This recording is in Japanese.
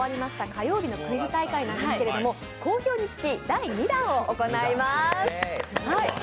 火曜日のクイズ大会なんですが、好評につき第２弾を行います。